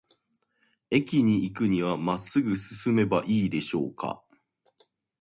駅に行くには、まっすぐ進めばいいでしょうか。